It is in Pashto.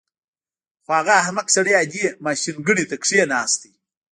خو هغه احمق سړی عادي ماشینګڼې ته کېناست